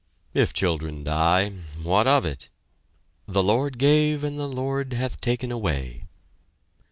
If children die what of it? "The Lord gave and the Lord hath taken away."